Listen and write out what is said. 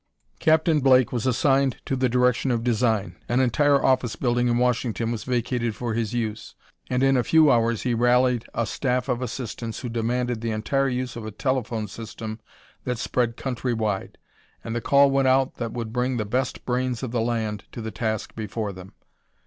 Captain Blake was assigned to the direction of design. An entire office building in Washington was vacated for his use, and in a few hours he rallied a staff of assistants who demanded the entire use of a telephone system that spread countrywide. And the call went out that would bring the best brains of the land to the task before them.